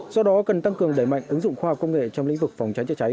do đó cần tăng cường đẩy mạnh ứng dụng khoa học công nghệ trong lĩnh vực phòng cháy chữa cháy